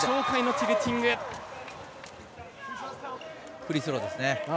フリースローですね。